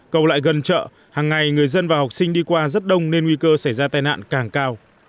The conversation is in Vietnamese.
cầu lại gần chợ hàng ngày người dân và học sinh đi qua rất đông nên nguy cơ xảy ra tai nạn càng cao